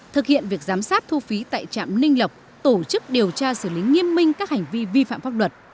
thực hiện việc giám sát thu phí tại trạm ninh lộc tổ chức điều tra xử lý nghiêm minh các hành vi vi phạm pháp luật